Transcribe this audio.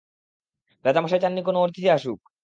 রাজা মশাই চাননি কোনও অতিথি আসুক!